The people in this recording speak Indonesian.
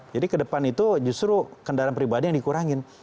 jadi kedepan itu justru kendaraan pribadi yang dikurangi